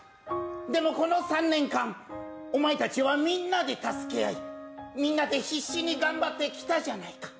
でも、この３年間、お前たちはみんなで助け合い、みんなで必死に頑張ってきたじゃないか。